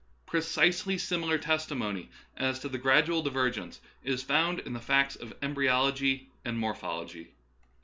Precisely similar testimony as to gradual diver gence is found in the facts of embryology and morphology.